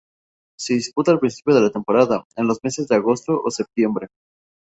Se disputa al principio de la temporada, en los meses de agosto o septiembre.